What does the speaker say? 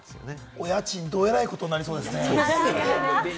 お家賃、どえらいことになりそうですね。